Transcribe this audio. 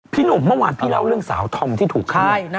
พี่หนุ่มเมื่อวานพี่เล่าเรื่องสาวทองที่ถูกใช่ไหม